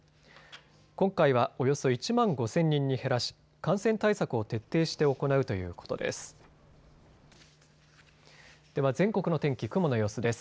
今回はおよそ１万５０００人に減らし感染対策を徹底して行うということです。